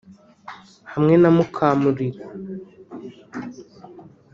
hamwe na Mukamurigo